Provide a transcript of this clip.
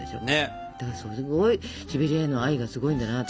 だからすごいシベリアへの愛がすごいんだなって。